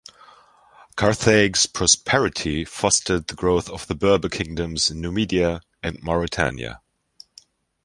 Carthage's prosperity fostered the growth of the Berber kingdoms, Numidia and Mauretania.